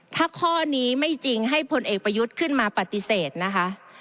ถ้าข้อนี้ไม่จริงให้พลเอกประยุทธ์ขึ้นมาปฏิเสธนะคะ